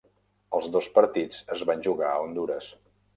Els dos partits es van jugar a Hondures.